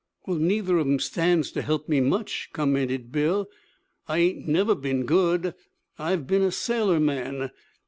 'Well, neither of 'em stands to help me much,' commented Bill. 'I ain't never been good. I've been a sailor man.